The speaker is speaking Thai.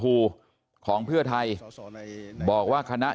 ขอบคุณเลยนะฮะคุณแพทองธานิปรบมือขอบคุณเลยนะฮะ